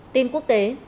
tin quốc tế